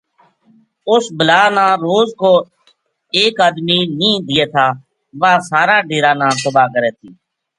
اُس بلا نا روز کو ایک آدمی نیہہ دیے تھا واہ سارا ڈیرا نا تباہ کرے تھی